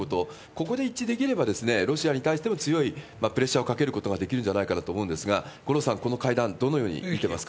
ここで一致できれば、ロシアに対しても強いプレッシャーをかけることができるんじゃないかなと思うんですが、五郎さん、この会談、どのように見てますか？